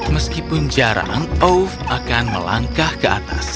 meskipun jarang ove akan melangkah ke atas